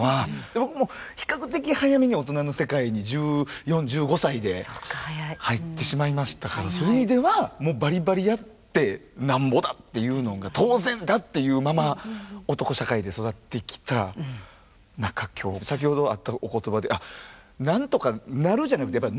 僕も比較的早めに大人の世界に１４１５歳で入ってしまいましたからそういう意味ではバリバリやってなんぼだっていうのが当然だっていうまま男社会で育ってきた中今日先ほどあったお言葉でなんとかなるじゃなくてやっぱりなんとかするっていうね。